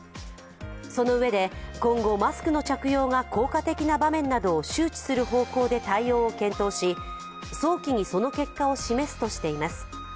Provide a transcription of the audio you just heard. そのうえで今後、マスクの着用が効果的な場面などを周知する方向で対応を検討し早期にその結果を示すとしています。